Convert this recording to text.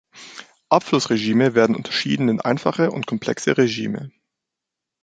Abflussregime werden unterschieden in einfache und komplexe Regime.